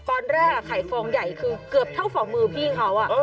ตอนแรกไข่ฟองใหญ่คือเกือบเท่าฝ่ามือพี่เขา